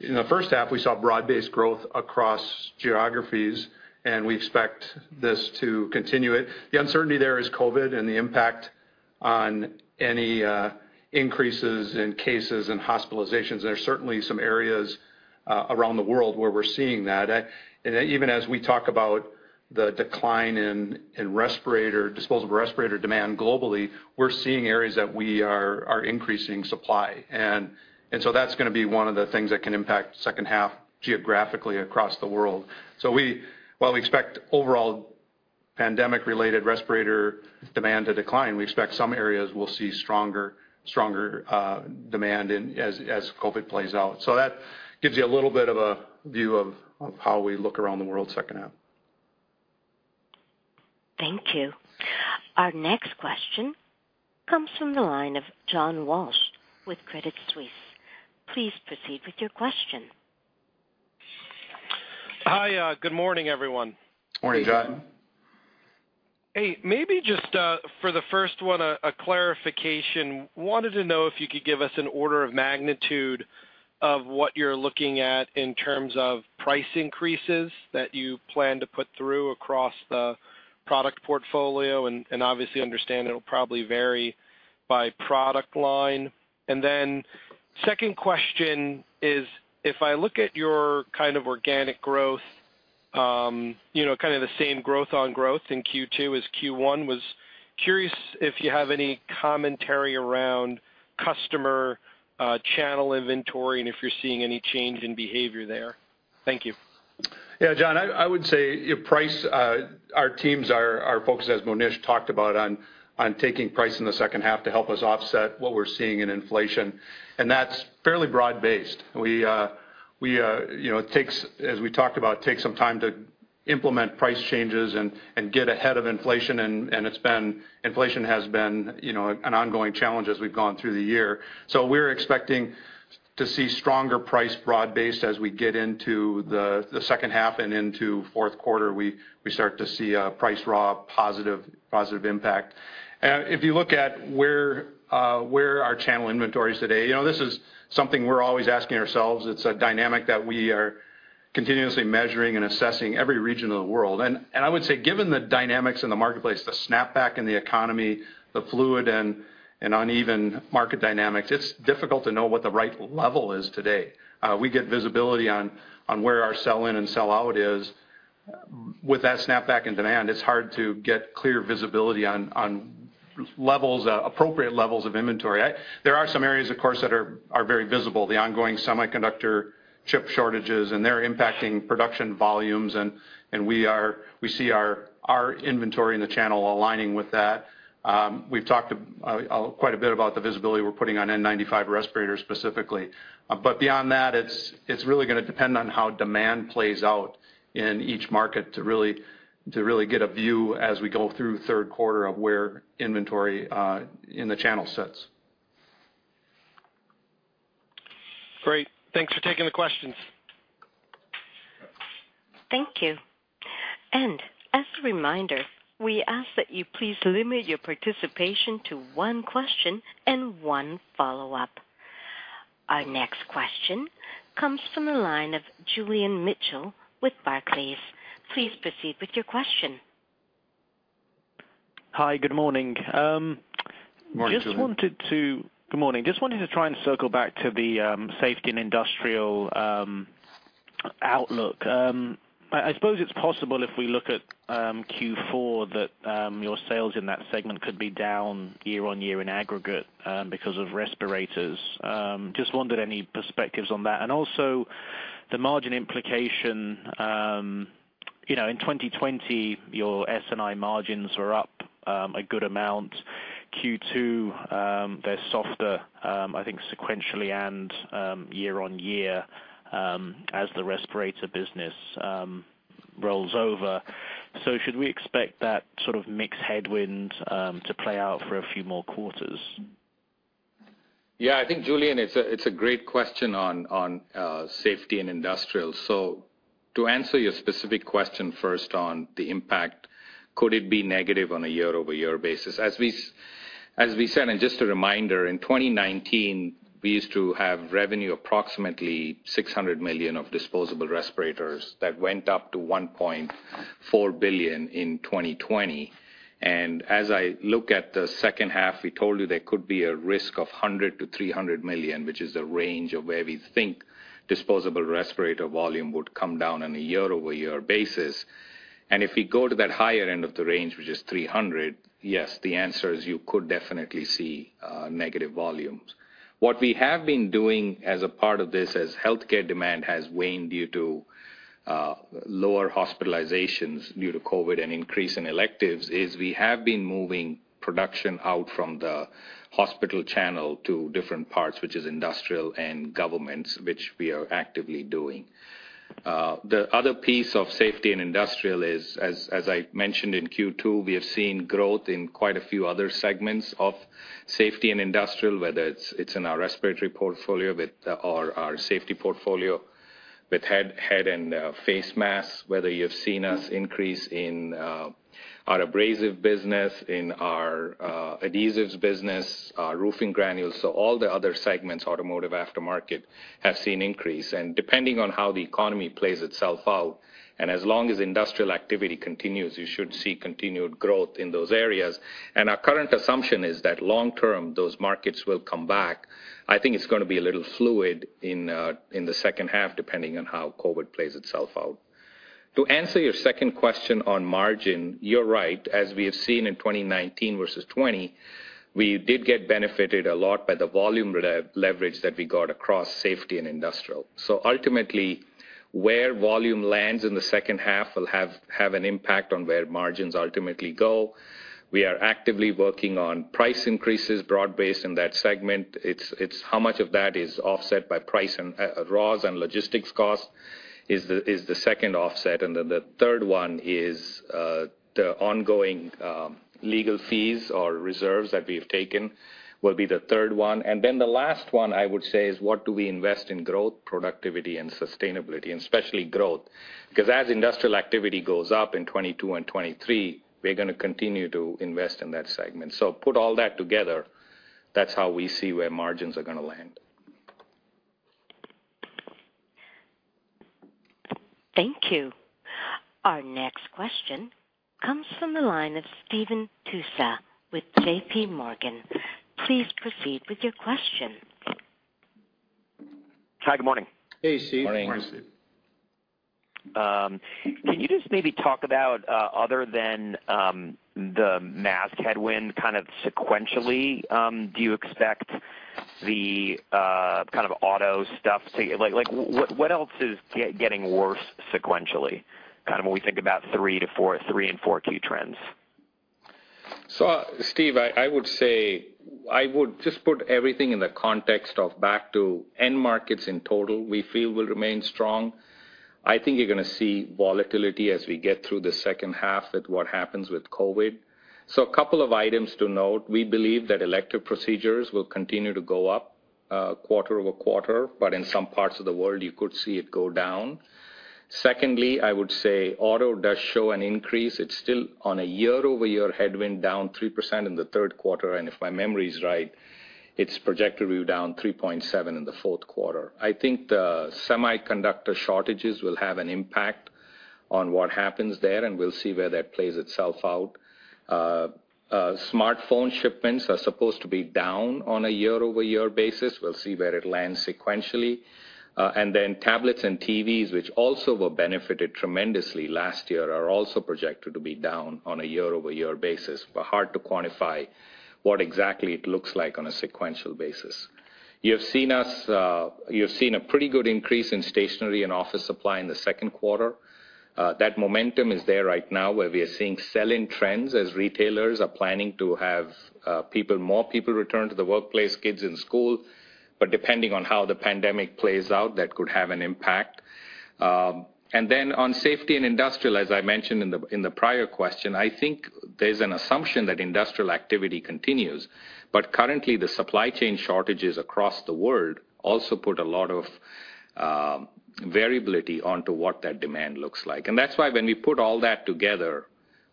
in the first half, we saw broad-based growth across geographies. We expect this to continue. The uncertainty there is COVID-19 and the impact on any increases in cases and hospitalizations. There's certainly some areas around the world where we're seeing that. Even as we talk about the decline in disposable respirator demand globally, we're seeing areas that we are increasing supply. That's going to be one of the things that can impact second half geographically across the world. While we expect overall pandemic-related respirator demand to decline, we expect some areas will see stronger demand as COVID-19 plays out. That gives you a little bit of a view of how we look around the world second half. Thank you. Our next question comes from the line of John Walsh with Credit Suisse. Please proceed with your question. Hi. Good morning, everyone. Morning, John. Hey, maybe just for the first one, a clarification. Wanted to know if you could give us an order of magnitude of what you're looking at in terms of price increases that you plan to put through across the product portfolio, and obviously understand it'll probably vary by product line. Second question is, if I look at your kind of organic growth, kind of the same growth on growth in Q2 as Q1 was. Curious if you have any commentary around customer channel inventory and if you're seeing any change in behavior there. Thank you. John, I would say price, our teams are focused, as Monish talked about, on taking price in the 2nd half to help us offset what we're seeing in inflation, and that's fairly broad-based. As we talked about, takes some time to implement price changes and get ahead of inflation, and inflation has been an ongoing challenge as we've gone through the year. We're expecting to see stronger price broad-based as we get into the second half and into fourth quarter, we start to see a price raw positive impact. If you look at where our channel inventory is today, this is something we're always asking ourselves. It's a dynamic that we are continuously measuring and assessing every region of the world. I would say, given the dynamics in the marketplace, the snapback in the economy, the fluid and uneven market dynamics, it's difficult to know what the right level is today. We get visibility on where our sell in and sell out is. With that snapback in demand, it's hard to get clear visibility on appropriate levels of inventory. There are some areas, of course, that are very visible, the ongoing semiconductor chip shortages, and they're impacting production volumes, and we see our inventory in the channel aligning with that. We've talked quite a bit about the visibility we're putting on N95 respirators specifically. Beyond that, it's really going to depend on how demand plays out in each market to really get a view as we go through third quarter of where inventory in the channel sits. Great. Thanks for taking the questions. Thank you. As a reminder, we ask that you please limit your participation to one question and one follow-up. Our next question comes from the line of Julian Mitchell with Barclays. Please proceed with your question. Hi, good morning. Morning, Julian. Good morning. Just wanted to try and circle back to the Safety and Industrial outlook. I suppose it's possible if we look at Q4 that your sales in that segment could be down year-on-year in aggregate because of respirators. Just wondered any perspectives on that. Also the margin implication. In 2020, your S&I margins were up a good amount. Q2, they're softer, I think sequentially and year-on-year as the respirator business rolls over. Should we expect that sort of mix headwind to play out for a few more quarters? I think Julian, it's a great question on Safety and Industrial. To answer your specific question first on the impact, could it be negative on a year-over-year basis? As we said, just a reminder, in 2019, we used to have revenue approximately $600 million of disposable respirators that went up to $1.4 billion in 2020. As I look at the second half, we told you there could be a risk of $100 million-$300 million, which is a range of where we think disposable respirator volume would come down on a year-over-year basis. If we go to that higher end of the range, which is $300 million, yes, the answer is you could definitely see negative volumes. What we have been doing as a part of this, as healthcare demand has waned due to lower hospitalizations due to COVID-19 and increase in electives, is we have been moving production out from the hospital channel to different parts, which is industrial and governments, which we are actively doing. The other piece of Safety and Industrial is, as I mentioned in Q2, we have seen growth in quite a few other segments of Safety and Industrial, whether it's in our respiratory portfolio or our safety portfolio with head and face masks, whether you've seen us increase in our abrasive business, in our adhesives business, our roofing granules. All the other segments, automotive aftermarket, have seen increase. Depending on how the economy plays itself out, and as long as industrial activity continues, you should see continued growth in those areas. Our current assumption is that long term, those markets will come back. I think it's going to be a little fluid in the second half, depending on how COVID-19 plays itself out. To answer your second question on margin, you're right. As we have seen in 2019 versus 2020, we did get benefited a lot by the volume leverage that we got across Safety and Industrial. Ultimately, where volume lands in the second half will have an impact on where margins ultimately go. We are actively working on price increases broad-based in that segment. It's how much of that is offset by price and raws and logistics costs is the second offset, and then the third one is the ongoing legal fees or reserves that we have taken will be the third one. The last one, I would say, is what do we invest in growth, productivity, and sustainability, and especially growth. As industrial activity goes up in 2022 and 2023, we're going to continue to invest in that segment. Put all that together, that's how we see where margins are going to land. Thank you. Our next question comes from the line of Stephen Tusa with JPMorgan. Please proceed with your question. Hi, good morning. Hey, Steve. Good morning, Steve. Can you just maybe talk about other than the mask headwind kind of sequentially do you expect the kind of auto stuff like, what else is getting worse sequentially? When we think about 3Q and 4Q trends. Steve, I would just put everything in the context of back to end markets in total, we feel will remain strong. I think you're going to see volatility as we get through the second half at what happens with COVID-19. A couple of items to note, we believe that elective procedures will continue to go up quarter-over-quarter, but in some parts of the world, you could see it go down. Secondly, I would say auto does show an increase. It's still on a year-over-year headwind down 3% in the third quarter, and if my memory's right, it's projected to be down 3.7% in the fourth quarter. I think the semiconductor shortages will have an impact on what happens there, and we'll see where that plays itself out. Smartphone shipments are supposed to be down on a year-over-year basis. We'll see where it lands sequentially. Tablets and TVs, which also benefited tremendously last year, are also projected to be down on a year-over-year basis, but hard to quantify what exactly it looks like on a sequential basis. You have seen a pretty good increase in Stationery and Office Supplies in the second quarter. That momentum is there right now where we are seeing sell-in trends as retailers are planning to have more people return to the workplace, kids in school. Depending on how the pandemic plays out, that could have an impact. On Safety and Industrial, as I mentioned in the prior question, I think there's an assumption that industrial activity continues, but currently the supply chain shortages across the world also put a lot of variability onto what that demand looks like. That's why when we put all that together,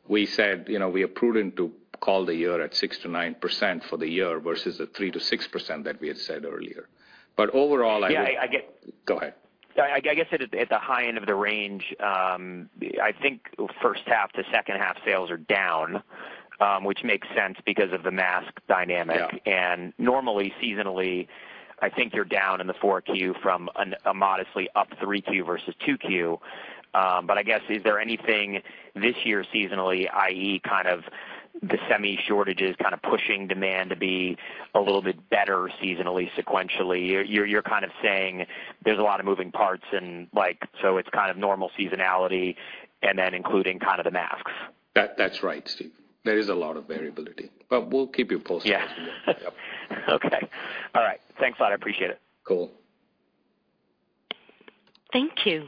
we said we are prudent to call the year at 6%-9% for the year versus the 3%-6% that we had said earlier. Yeah. Go ahead. I guess at the high end of the range, I think first half to second half sales are down, which makes sense because of the mask dynamic. Yeah. Normally seasonally, I think you're down in the 4Q from a modestly up 3Q versus 2Q. I guess, is there anything this year seasonally, i.e. kind of the semi shortages kind of pushing demand to be a little bit better seasonally, sequentially? You're kind of saying there's a lot of moving parts it's kind of normal seasonality and then including kind of the masks. That's right, Steve. There is a lot of variability. We'll keep you posted as we go. Yeah. Okay. All right. Thanks a lot. I appreciate it. Cool. Thank you.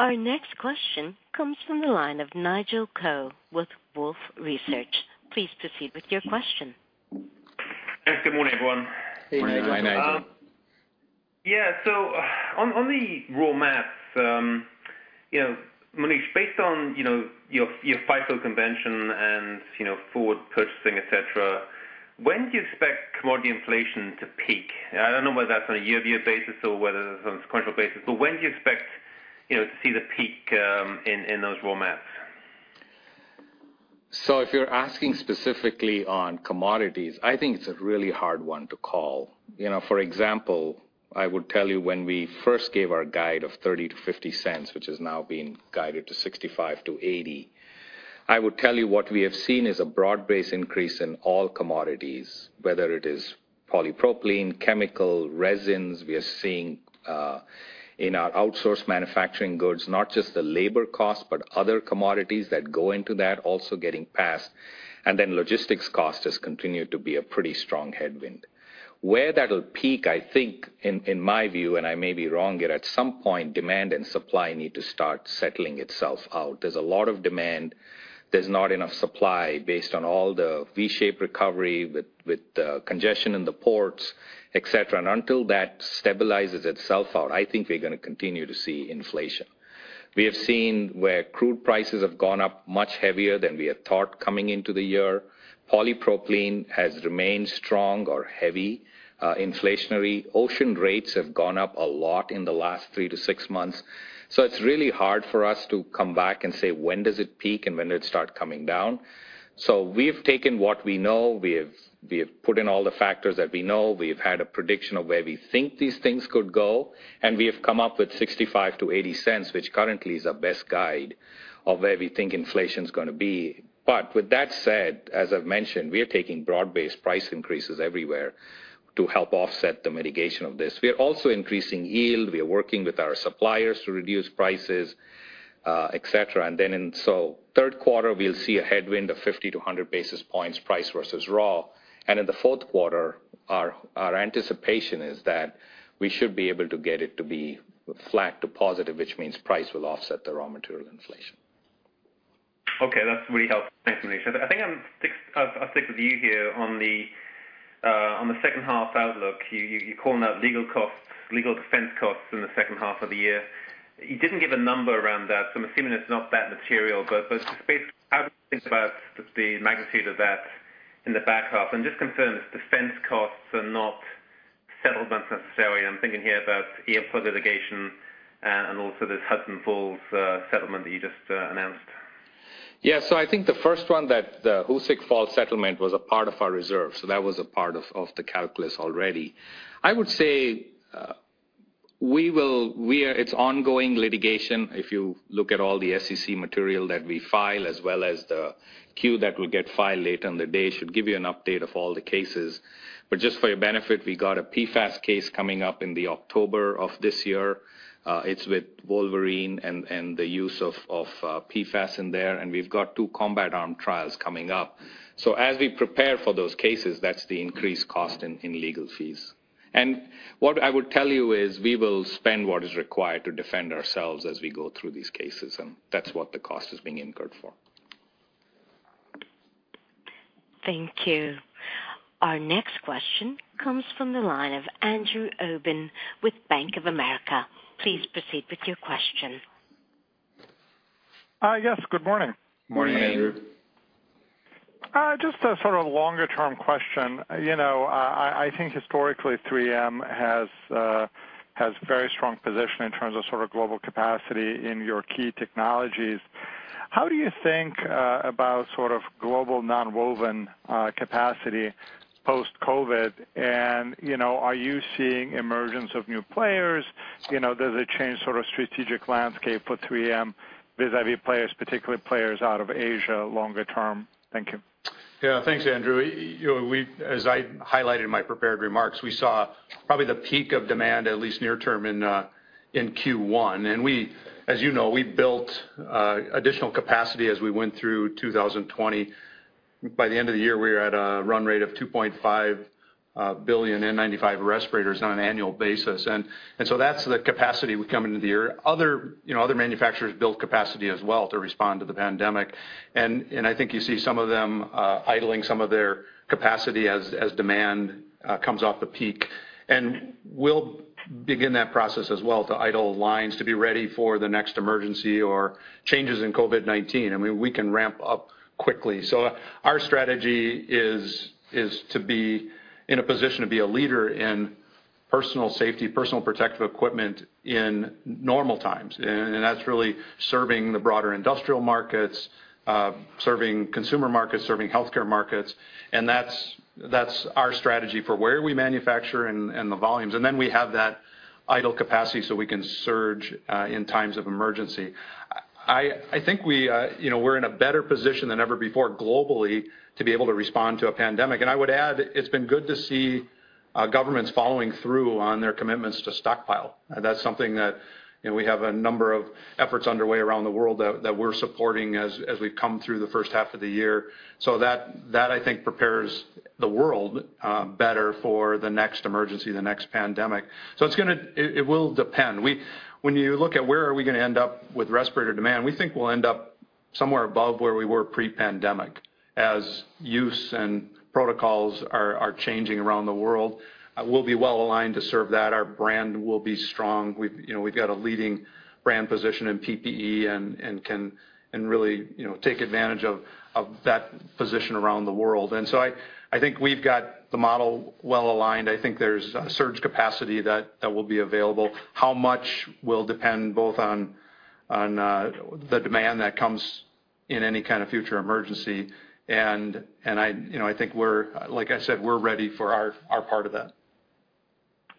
Our next question comes from the line of Nigel Coe with Wolfe Research. Please proceed with your question. Good morning, everyone. Hey, Nigel. Morning, Nigel. Yeah. On the raw mats, Monish, based on your FIFO convention and forward purchasing, et cetera, when do you expect commodity inflation to peak? I don't know whether that's on a year-over-year basis or whether it's on a sequential basis, but when do you expect to see the peak in those raw mats? If you're asking specifically on commodities, I think it's a really hard one to call. For example, I would tell you when we first gave our guide of $0.30-$0.50, which is now being guided to $0.65-$0.80, I would tell you what we have seen is a broad-based increase in all commodities, whether it is polypropylene, chemical, resins. We are seeing in our outsourced manufacturing goods, not just the labor cost, but other commodities that go into that also getting passed. Logistics cost has continued to be a pretty strong headwind. Where that'll peak, I think, in my view, and I may be wrong, but at some point, demand and supply need to start settling itself out. There's a lot of demand. There's not enough supply based on all the V-shaped recovery with the congestion in the ports, et cetera. Until that stabilizes itself out, I think we're going to continue to see inflation. We have seen where crude prices have gone up much heavier than we had thought coming into the year. Polypropylene has remained strong or heavy inflationary. Ocean rates have gone up a lot in the last three to six months. It's really hard for us to come back and say, when does it peak? When did it start coming down? We've taken what we know. We have put in all the factors that we know. We've had a prediction of where we think these things could go, and we have come up with $0.65-$0.80, which currently is our best guide of where we think inflation's going to be. With that said, as I've mentioned, we are taking broad-based price increases everywhere to help offset the mitigation of this. We are also increasing yield. We are working with our suppliers to reduce prices, et cetera. In the third quarter, we'll see a headwind of 50-100 basis points price versus raw. In the fourth quarter, our anticipation is that we should be able to get it to be flat to positive, which means price will offset the raw material inflation. Okay. That's really helpful. Thanks, Monish. I think I'll stick with you here on the second half outlook. You're calling out legal costs, legal defense costs in the second half of the year. You didn't give a number around that, so I'm assuming it's not that material. Just basically, how do you think about the magnitude of that in the back half? Just confirm if defense costs are not settlements necessarily. I'm thinking here about earplug litigation and also this Hoosick Falls settlement that you just announced. Yeah. I think the first one, that Hoosick Falls settlement was a part of our reserve, that was a part of the calculus already. I would say, it's ongoing litigation. If you look at all the SEC material that we file as well as the Q that will get filed later in the day, should give you an update of all the cases. Just for your benefit, we got a PFAS case coming up in October of this year. It's with Wolverine and the use of PFAS in there, we've got two Combat Arms trials coming up. As we prepare for those cases, that's the increased cost in legal fees. What I would tell you is we will spend what is required to defend ourselves as we go through these cases, that's what the cost is being incurred for. Thank you. Our next question comes from the line of Andrew Obin with Bank of America. Please proceed with your question. Yes, good morning. Morning, Andrew. Just a sort of longer-term question. I think historically, 3M has very strong position in terms of sort of global capacity in your key technologies. How do you think about sort of global nonwoven capacity post-COVID-19? Are you seeing emergence of new players? Does it change sort of strategic landscape for 3M vis-à-vis players, particularly players out of Asia longer term? Thank you. Yeah. Thanks, Andrew. As I highlighted in my prepared remarks, we saw probably the peak of demand, at least near term, in Q1. As you know, we built additional capacity as we went through 2020. By the end of the year, we were at a run rate of 2.5 billion N95 respirators on an annual basis. That's the capacity we come into the year. Other manufacturers built capacity as well to respond to the pandemic. I think you see some of them idling some of their capacity as demand comes off the peak. We'll begin that process as well to idle lines to be ready for the next emergency or changes in COVID-19, and we can ramp up quickly. Our strategy is to be in a position to be a leader in personal safety, personal protective equipment in normal times, that's really serving the broader industrial markets, serving consumer markets, serving healthcare markets. That's our strategy for where we manufacture and the volumes. Then we have that idle capacity so we can surge in times of emergency. I think we're in a better position than ever before globally to be able to respond to a pandemic. I would add, it's been good to see governments following through on their commitments to stockpile. That's something that we have a number of efforts underway around the world that we're supporting as we've come through the first half of the year. That I think prepares the world better for the next emergency, the next pandemic. It will depend. When you look at where are we going to end up with respirator demand, we think we'll end up somewhere above where we were pre-pandemic, as use and protocols are changing around the world. We'll be well-aligned to serve that. Our brand will be strong. We've got a leading brand position in PPE and can really take advantage of that position around the world. I think we've got the model well-aligned. I think there's a surge capacity that will be available. How much will depend both on the demand that comes in any kind of future emergency, and I think we're, like I said, we're ready for our part of that.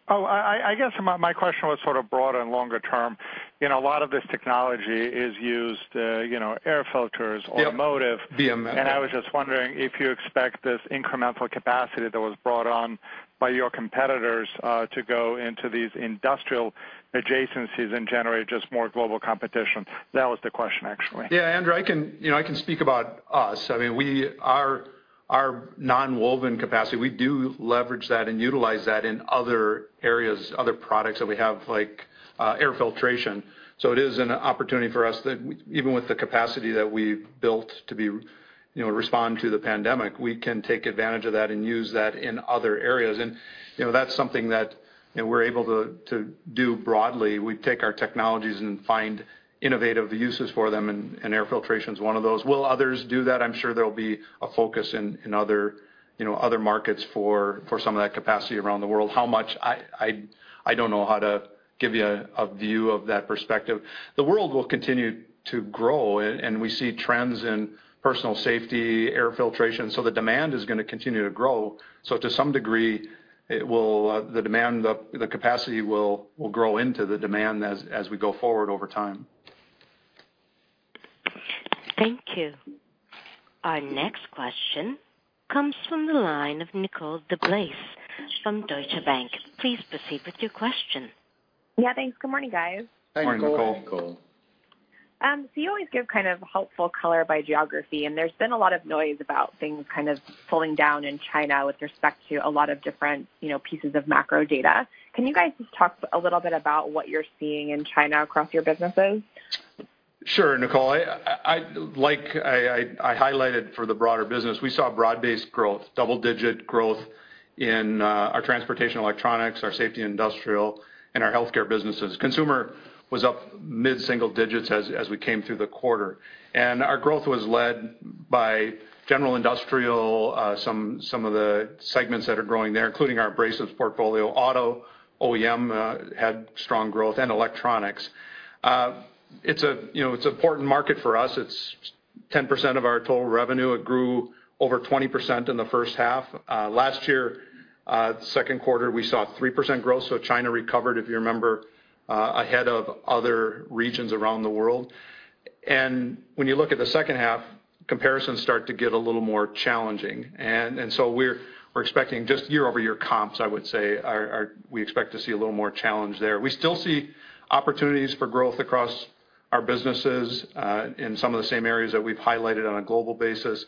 Oh, I guess my question was sort of broad and longer term. A lot of this technology is used, air filters- Yep automotive. BMF. I was just wondering if you expect this incremental capacity that was brought on by your competitors to go into these industrial adjacencies and generate just more global competition. That was the question, actually. Yeah, Andrew, I can speak about us. I mean, Our nonwoven capacity, we do leverage that and utilize that in other areas, other products that we have, like air filtration. It is an opportunity for us that even with the capacity that we've built to respond to the pandemic, we can take advantage of that and use that in other areas. That's something that we're able to do broadly. We take our technologies and find innovative uses for them, and air filtration is one of those. Will others do that? I'm sure there'll be a focus in other markets for some of that capacity around the world. How much? I don't know how to give you a view of that perspective. The world will continue to grow, and we see trends in personal safety, air filtration, so the demand is going to continue to grow. To some degree, the capacity will grow into the demand as we go forward over time. Thank you. Our next question comes from the line of Nicole DeBlase from Deutsche Bank. Please proceed with your question. Yeah, thanks. Good morning, guys. Morning, Nicole. Good morning. You always give kind of helpful color by geography, and there's been a lot of noise about things kind of pulling down in China with respect to a lot of different pieces of macro data. Can you guys just talk a little bit about what you're seeing in China across your businesses? Sure, Nicole. I highlighted for the broader business, we saw broad-based growth, double-digit growth in our Transportation and Electronics, our Safety and Industrial, and our Health Care businesses. Consumer was up mid-single digits as we came through the quarter. Our growth was led by general industrial, some of the segments that are growing there, including our abrasives portfolio, auto, OEM had strong growth, and electronics. It's an important market for us. It's 10% of our total revenue. It grew over 20% in the first half. Last year, second quarter, we saw 3% growth, so China recovered, if you remember, ahead of other regions around the world. When you look at the second half, comparisons start to get a little more challenging. We're expecting just year-over-year comps, I would say, we expect to see a little more challenge there. We still see opportunities for growth across our businesses in some of the same areas that we've highlighted on a global basis.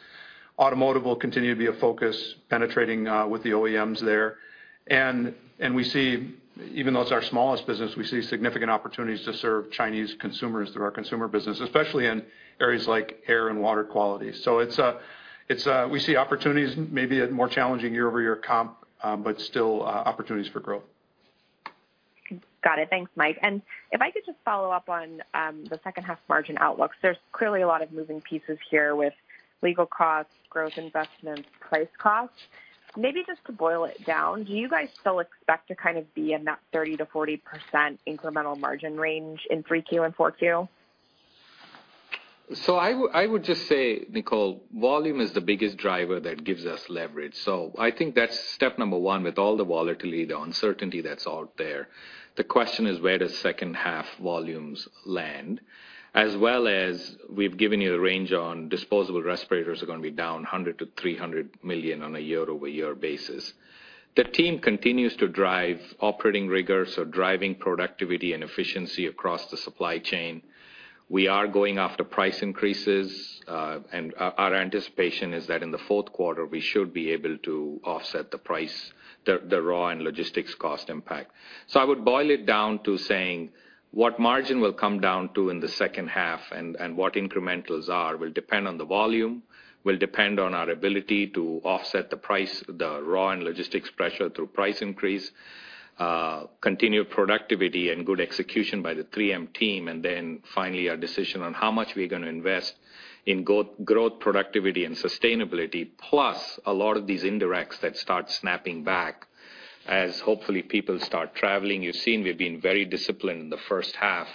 Automotive will continue to be a focus, penetrating with the OEMs there. We see, even though it's our smallest business, we see significant opportunities to serve Chinese consumers through our Consumer business, especially in areas like air and water quality. We see opportunities, maybe a more challenging year-over-year comp, but still opportunities for growth. Got it. Thanks, Mike. If I could just follow up on the second half margin outlooks. There's clearly a lot of moving pieces here with legal costs, growth investments, price costs. Maybe just to boil it down, do you guys still expect to kind of be in that 30%-40% incremental margin range in 3Q and 4Q? I would just say, Nicole, volume is the biggest driver that gives us leverage. I think that's step number one with all the volatility, the uncertainty that's out there. The question is where does second half volumes land, as well as we've given you a range on disposable respirators are going to be down $100 million-$300 million on a year-over-year basis. The team continues to drive operating rigor, so driving productivity and efficiency across the supply chain. We are going after price increases, and our anticipation is that in the fourth quarter, we should be able to offset the price, the raw and logistics cost impact. I would boil it down to saying what margin will come down to in the second half and what incrementals are will depend on the volume, will depend on our ability to offset the price, the raw and logistics pressure through price increase, continued productivity and good execution by the 3M team, and then finally, our decision on how much we're going to invest in growth, productivity and sustainability, plus a lot of these indirects that start snapping back as hopefully people start traveling. You've seen we've been very disciplined in the first half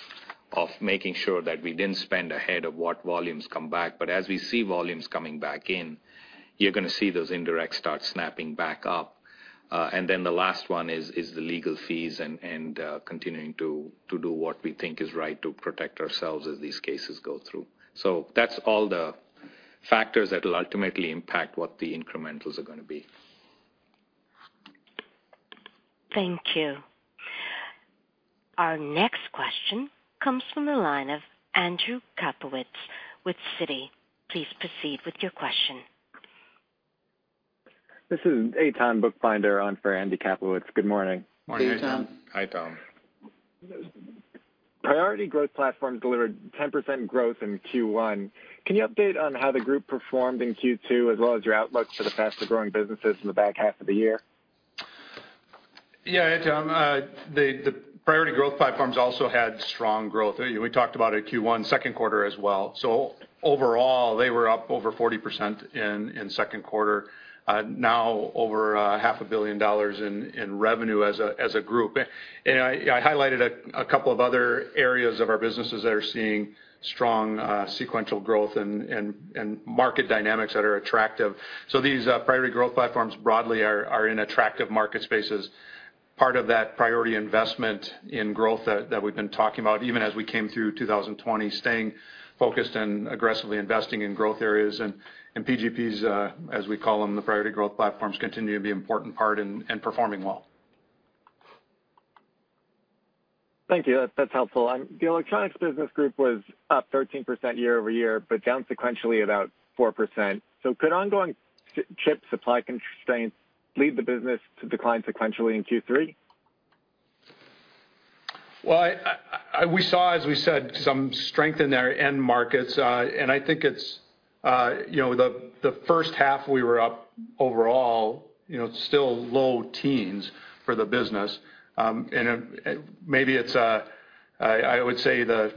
of making sure that we didn't spend ahead of what volumes come back. As we see volumes coming back in, you're going to see those indirects start snapping back up. The last one is the legal fees and continuing to do what we think is right to protect ourselves as these cases go through. That's all the factors that will ultimately impact what the incrementals are going to be. Thank you. Our next question comes from the line of Andrew Kaplowitz with Citi. Please proceed with your question. This is Eitan Buchbinder on for Andy Kaplowitz. Good morning. Morning, Eitan. Hi, Eitan. Priority Growth Platforms delivered 10% growth in Q1. Can you update on how the group performed in Q2 as well as your outlook for the faster-growing businesses in the back half of the year? Yeah. Eitan, the priority growth platforms also had strong growth. We talked about it Q1, second quarter as well. Overall, they were up over 40% in second quarter. Now over half a billion dollars in revenue as a group. I highlighted a couple of other areas of our businesses that are seeing strong sequential growth and market dynamics that are attractive. These priority growth platforms broadly are in attractive market spaces. Part of that priority investment in growth that we've been talking about, even as we came through 2020, staying focused and aggressively investing in growth areas, and PGPs, as we call them, the priority growth platforms, continue to be an important part and performing well. Thank you. That's helpful. The Electronics Business Group was up 13% year-over-year, but down sequentially about 4%. Could ongoing chip supply constraints lead the business to decline sequentially in Q3? We saw, as we said, some strength in their end markets, and I think the first half we were up overall, still low teens for the business. Maybe I would say it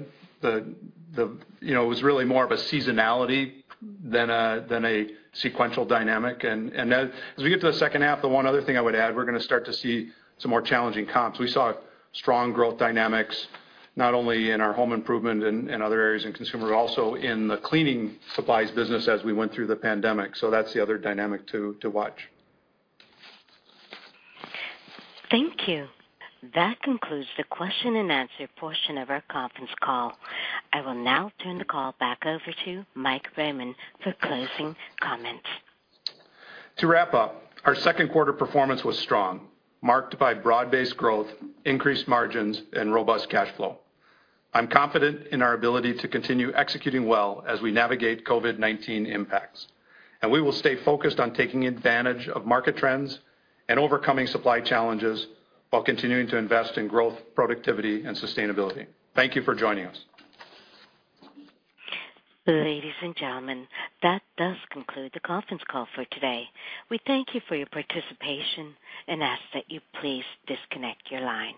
was really more of a seasonality than a sequential dynamic. As we get to the second half, the one other thing I would add, we're going to start to see some more challenging comps. We saw strong growth dynamics, not only in our Home Improvement and other areas in Consumer, but also in the cleaning supplies business as we went through the pandemic. That's the other dynamic to watch. Thank you. That concludes the question and answer portion of our conference call. I will now turn the call back over to Mike Roman for closing comments. To wrap up, our second quarter performance was strong, marked by broad-based growth, increased margins, and robust cash flow. I'm confident in our ability to continue executing well as we navigate COVID-19 impacts. We will stay focused on taking advantage of market trends and overcoming supply challenges while continuing to invest in growth, productivity, and sustainability. Thank you for joining us. Ladies and gentlemen, that does conclude the conference call for today. We thank you for your participation and ask that you please disconnect your line.